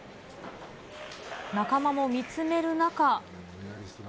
仲間も見つめる中。